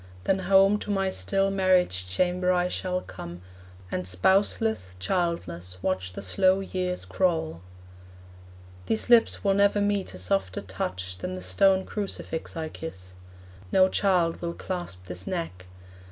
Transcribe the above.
Then home To my still marriage chamber I shall come, And spouseless, childless, watch the slow years crawl. These lips will never meet a softer touch Than the stone crucifix I kiss; no child Will clasp this neck.